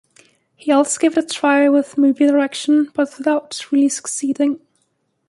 He also gave it a try with movie direction, but without really succeeding.